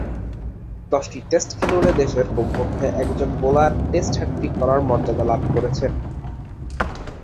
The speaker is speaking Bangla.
দশটি টেস্টখেলুড়ে দেশের কমপক্ষে একজন বোলার টেস্ট হ্যাট্রিক করার মর্যাদা লাভ করেছেন।